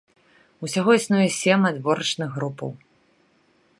Усяго існуе сем адборачных групаў.